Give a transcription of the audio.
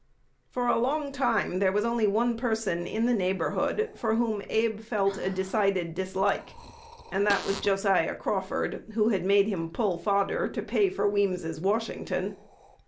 For a long time there was only one person in the neighborhood for whom Abe felt a decided dislike; and that was Josiah Crawford, who had made him "pull fodder," to pay for the Weems's "Washington."